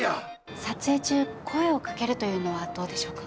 撮影中声をかけるというのはどうでしょうか？